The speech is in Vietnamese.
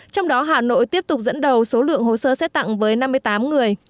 trong đó hà nội tiếp tục dẫn đầu số lượng hồ sơ xét tặng với năm mươi tám người